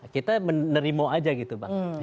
kita menerima aja gitu bang